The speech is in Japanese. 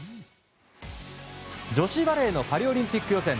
女子バレーのパリオリンピック予選。